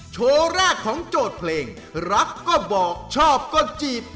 โชว์แรกของโจทย์เพลงรักก็บอกชอบก็จีบ